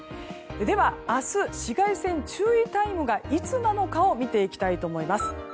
では、明日紫外線注意タイムがいつなのかを見ていきたいと思います。